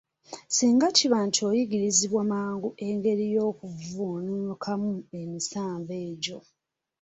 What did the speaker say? Singa kiba nti oyigirizibwa mangu engeri y'okuvvuunukamu emisanvu egyo.